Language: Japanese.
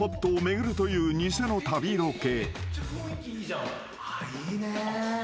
いいね。